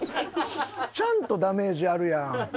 ちゃんとダメージあるやん。